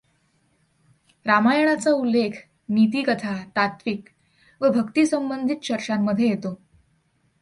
रामायणाचा उल्लेख नीतिकथा, तात्त्विक व भक्तिसंबंधित चर्चांमध्ये येतो.